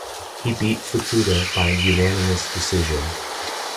He beat Fukuda by unanimous decision.